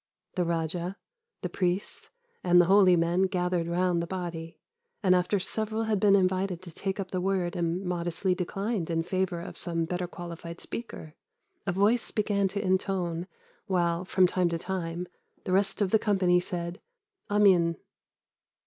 "The raja, the priests, and the holy men gathered round the body, and after several had been invited to take up the word and modestly declined in favour of some better qualified speaker, a voice began to intone, while, from time to time, the rest of the company said 'Amîn.